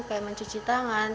kayak mencuci tangan